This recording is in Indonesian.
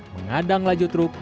mengadang laju truk